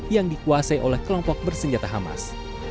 yang dikuasai oleh kelompok bersenjata hamas